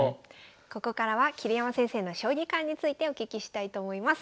ここからは桐山先生の将棋観についてお聞きしたいと思います。